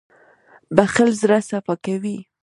• بښل زړه صفا کوي.